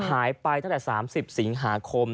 หายไปตั้งแต่๓๐สิงหาคม